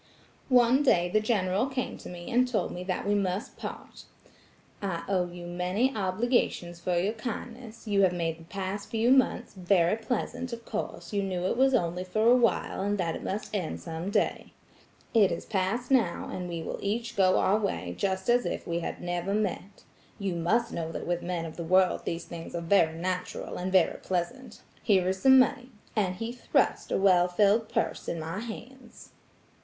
"One day the General came to me and told me that we must part. 'I owe you many obligations for your kindness. You have made the past few months very pleasant; of course you knew it was only for awhile, and that it must end some day. It is past now, and we will each go our way just as if we had never met. You must know that with men of the world these things are very natural and very pleasant. Here is some money; and he thrust a well filled purse in my hands.